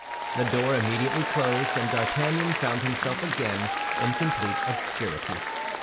The door immediately closed, and D'Artagnan found himself again in complete obscurity.